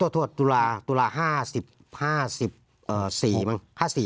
อ้อโทษตุลา๕๔มั้ง